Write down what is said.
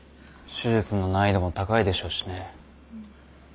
手術の難易度も高いでしょうしね。